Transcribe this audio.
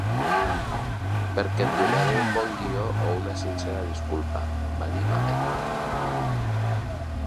"Perquè et donaré un bon guió o una sincera disculpa", va dir Mamet.